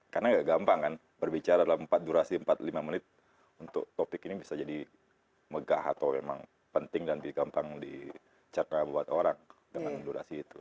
karena gak gampang kan berbicara dalam empat durasi empat lima menit untuk topik ini bisa jadi megah atau memang penting dan lebih gampang dicatnya buat orang dengan durasi itu